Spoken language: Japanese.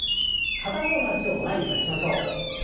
片方の脚を前に出しましょう。